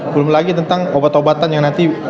belum lagi tentang obat obatan yang nanti